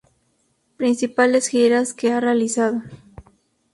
Principales giras que ha realizado.